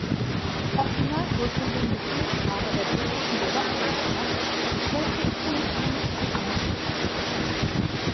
Auch die nachrückenden Befehlshaber der Britischen Besatzungsmacht bestätigten ihm die Amtsgeschäfte.